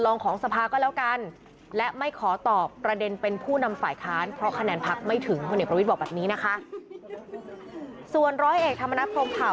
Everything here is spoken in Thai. ร้องหัวหน้าพักก็มาประกบบิ๊กป้อมเลยล่ะ